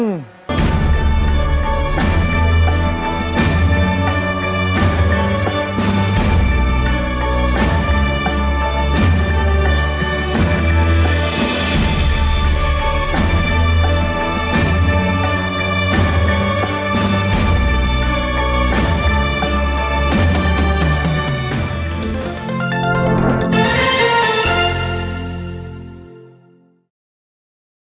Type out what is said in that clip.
สวัสดีครับ